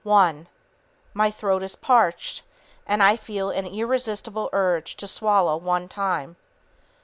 "One ... My throat is parched, and I feel an irresistible urge to swallow one time.